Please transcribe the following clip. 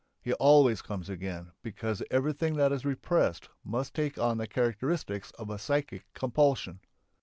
He always comes again because everything that is repressed must take on the characteristics of a psychic compulsion.